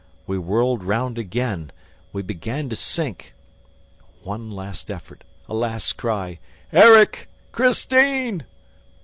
... We whirled round again! ... We began to sink! ... One last effort! ... A last cry: "Erik! ... Christine!